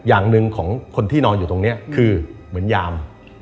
อย่างหนึ่งของคนที่นอนอยู่ตรงนี้คือเหมือนยาม